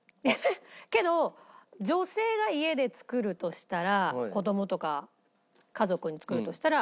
けど女性が家で作るとしたら子供とか家族に作るとしたら鶏の方が安いから。